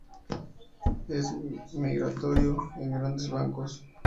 Es migratorio en grandes bancos.